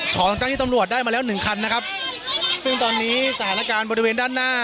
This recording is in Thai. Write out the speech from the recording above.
ของเจ้าที่ตำรวจได้มาแล้วหนึ่งคันนะครับซึ่งตอนนี้สถานการณ์บริเวณด้านหน้า